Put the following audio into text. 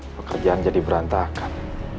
pekerjaan jadi berantakan